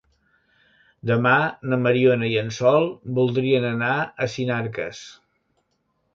Demà na Mariona i en Sol voldrien anar a Sinarques.